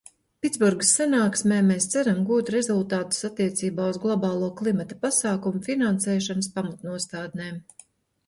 Pitsburgas sanāksmē mēs ceram gūt rezultātus attiecībā uz globālo klimata pasākumu finansēšanas pamatnostādnēm.